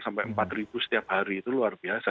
sampai empat ribu setiap hari itu luar biasa